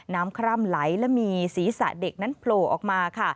คร่ำไหลและมีศีรษะเด็กนั้นโผล่ออกมาค่ะ